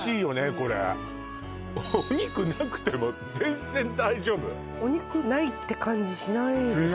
これお肉なくても全然大丈夫お肉ないって感じしないです